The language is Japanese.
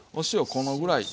このぐらい。